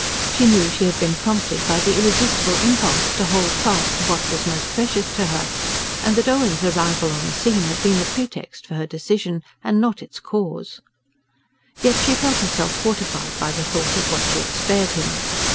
She knew she had been prompted by the irresistible impulse to hold fast to what was most precious to her, and that Owen's arrival on the scene had been the pretext for her decision, and not its cause; yet she felt herself fortified by the thought of what she had spared him.